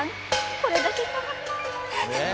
これだけか。